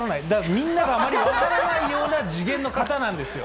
みんながあまり分からないような次元の方なんですよ。